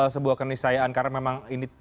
sebuah kenisayaan karena memang ini